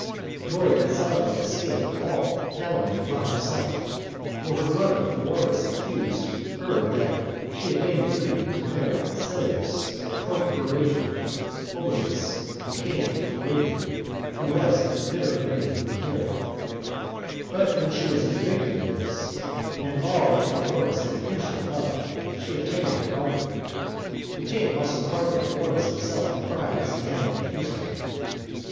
Nor did Salome escape all calumny upon herself; for her brother Pheroras accused her that she had made an agreement to marry Silleus, the procurator of Obodas, king of Arabia, who was at bitter enmity with Herod; but when she was convicted of this, and of all that Pheroras had accused her of, she obtained her pardon. The king also pardoned Pheroras himself the crimes he had been accused of.